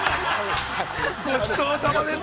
◆ごちそうさまです。